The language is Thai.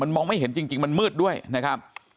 มองไม่เห็นจริงมันมืดด้วยนะครับ